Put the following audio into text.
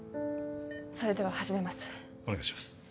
それでは始めますお願いします